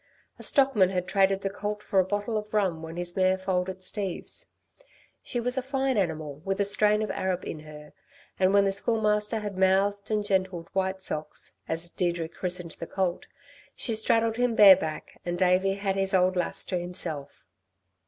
A stockman had traded the colt for a bottle of rum when his mare foaled at Steve's. She was a fine animal with a strain of Arab in her, and when the Schoolmaster had mouthed and gentled White Socks, as Deirdre christened the colt, she straddled him bareback and Davey had his old Lass to himself.